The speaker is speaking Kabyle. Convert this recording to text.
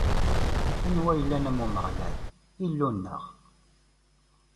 Anwa i yellan am Umeɣlal, Illu-nneɣ?